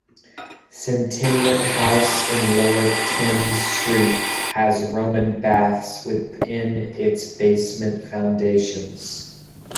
Centennium House in Lower Thames Street has Roman baths within its basement foundations.